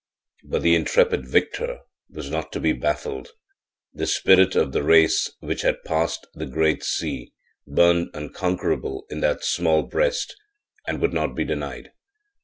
But the intrepid victor was not to be baffled; the spirit of the race which had passed the great sea burned unconquerable in that small breast and would not be denied.